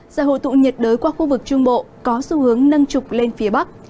giải hồ tụ nhiệt đới qua khu vực trung bộ có xu hướng nâng trục lên phía bắc